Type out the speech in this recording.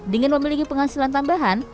dengan memiliki penghasilan tambahan